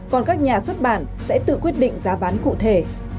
còn các nhà xuất bản sẽ tự quyết định giá bán cụ thể